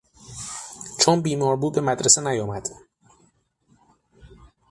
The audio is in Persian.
چون بیمار بود به مدرسه نیامد.